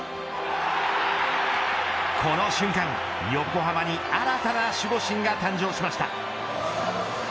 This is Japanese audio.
この瞬間、横浜に新たな守護神が誕生しました。